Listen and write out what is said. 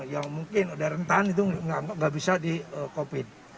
yang mungkin sudah rentan itu tidak bisa dikopi